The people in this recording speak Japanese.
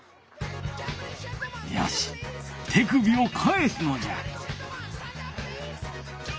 よし手首を返すのじゃ！